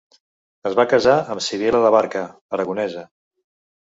Es va casar amb Sibil·la d'Abarca, aragonesa.